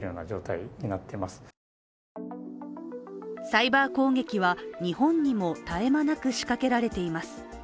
サイバー攻撃は、日本にも絶え間なく仕掛けられています。